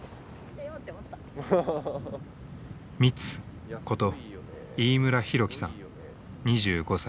ミツこと飯村大樹さん２５歳。